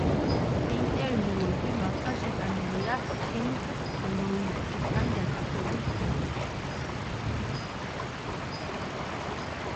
ინტერვიუები მასთან შეტანილია პინკ ფლოიდთან დაკავშირებულ ფილმებში.